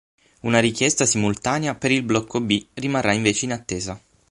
Una richiesta simultanea per il blocco B rimarrà invece in attesa.